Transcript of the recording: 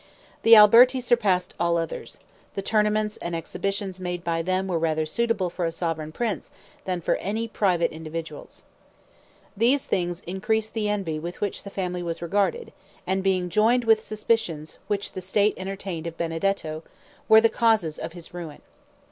The Alberti surpassed all others; the tournaments and exhibitions made by them were rather suitable for a sovereign prince than for any private individuals. These things increased the envy with which the family was regarded, and being joined with suspicions which the state entertained of Benedetto, were the causes of his ruin.